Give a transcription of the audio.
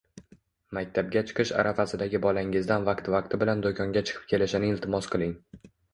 Maktabga chiqish arafasidagi bolangizdan vaqti-vaqti bilan do‘konga chiqib kelishini iltimos qiling.